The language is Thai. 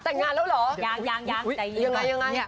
แต่งงานแล้วเหรออย่างใจยินไหมอุ๊ยอย่างไร